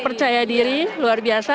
percaya diri luar biasa